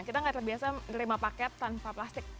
kita nggak terbiasa menerima paket tanpa plastik